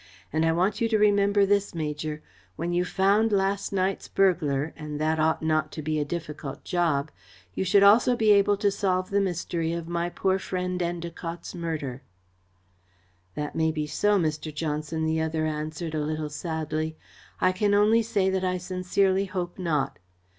And I want you to remember this, Major when you've found last night's burglar, and that ought not to be a difficult job, you should also be able to solve the mystery of my poor friend Endacott's murder." "That may be so, Mr. Johnson," the other answered, a little sadly. "I can only say that I sincerely hope not.